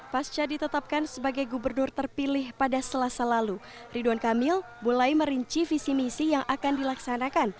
pasca ditetapkan sebagai gubernur terpilih pada selasa lalu ridwan kamil mulai merinci visi misi yang akan dilaksanakan